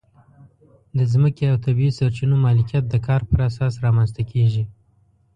د ځمکې او طبیعي سرچینو مالکیت د کار پر اساس رامنځته کېږي.